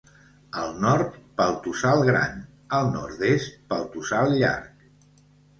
Al nord, pel Tossal Gran, al nord-est pel Tossal Llarg.